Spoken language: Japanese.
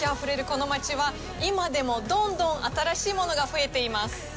この街は、今でもどんどん新しいものが増えています。